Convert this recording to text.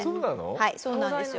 はいそうなんですよ。